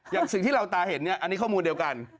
อย่างสิ่งที่เราตาเห็นเนี่ยอันนี้ข้อมูลเดียวกัน